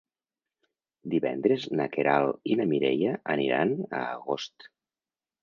Divendres na Queralt i na Mireia aniran a Agost.